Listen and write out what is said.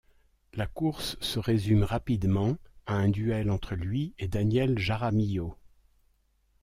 La course se résume rapidement à un duel entre lui et Daniel Jaramillo.